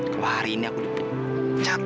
kalau hari ini aku dipecat